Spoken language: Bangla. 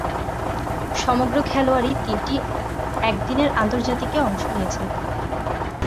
সমগ্র খেলোয়াড়ী তিনটি একদিনের আন্তর্জাতিকে অংশ নিয়েছেন তিনি।